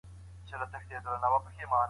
هغوی د زلزلې په اړه کیسې ویلې دي.